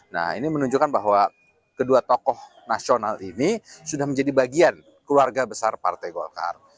nah ini menunjukkan bahwa kedua tokoh nasional ini sudah menjadi bagian keluarga besar partai golkar